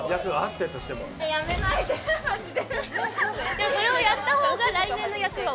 でもそれをやった方が来年の厄は落とせる？